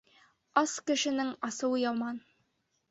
Ас кешенең асыуы яман.